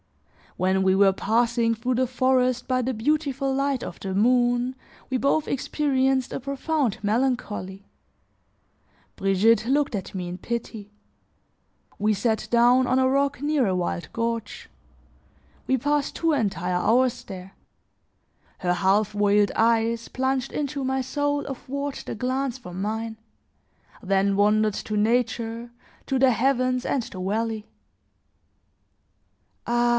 When we were passing through the forest by the beautiful light of the moon, we both experienced a profound melancholy. Brigitte looked at me in pity. We sat down on a rock near a wild gorge; we passed two entire hours there; her half veiled eyes plunged into my soul athwart the glance from mine, then wandered to nature, to the heavens and the valley. "Ah!